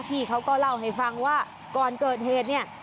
พี่เขาก็เล่าให้ฟังว่าก่อนเกิดเหตุเนี่ย